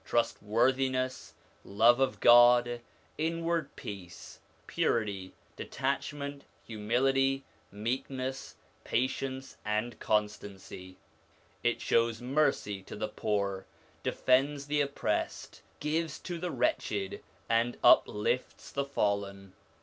56 SOME ANSWERED QUESTIONS worthiness, love of God, inward peace, purity, detach ment, humility, meekness, patience, and constancy. It shows mercy to the poor, defends the oppressed, gives to the wretched, and uplifts the fallen.